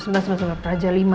sebentar sebentar praja lima ya